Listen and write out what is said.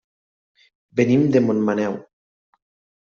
Venim de Montmaneu.